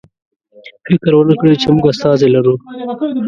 فکر ونکړئ چې موږ استازی لرو.